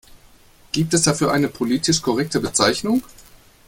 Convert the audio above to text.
Gibt es dafür eine politisch korrekte Bezeichnung?